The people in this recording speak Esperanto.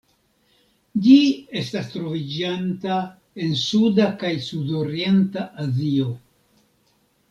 Ĝi estas troviĝanta en Suda kaj Sudorienta Azio.